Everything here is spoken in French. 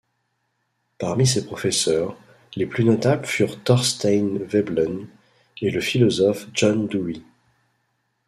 Parmi ses professeurs, les plus notables furent Thorstein Veblen et le philosophe John Dewey.